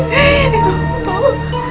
ya allah ya allah